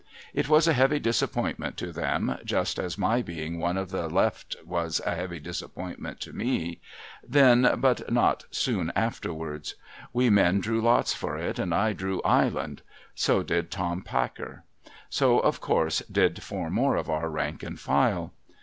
It was a heavy disappointment to them, just as my being one of the left was a heavy disappointment to me — then, but not soon afterwards. We men drew lots for it, and I drew ' Island.' So did Tom Packer. So, of course, did four more of our rank and file.